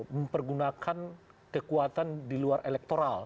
mempergunakan kekuatan di luar elektoral